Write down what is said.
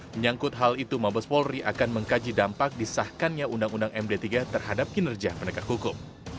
menyangkut hal itu mabes polri akan mengkaji dampak disahkannya undang undang md tiga terhadap kinerja penegak hukum